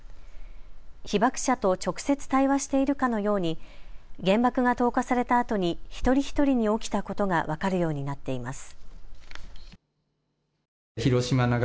被爆者と直接対話しているかのように原爆が投下されたあとに一人一人に起きたことが分かるようになっています。